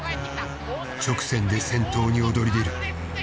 直線で先頭に躍り出る。